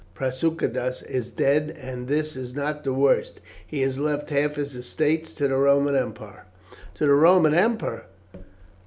"Prasutagus is dead; and this is not the worst, he has left half his estates to the Roman Emperor." "To the Roman Emperor!"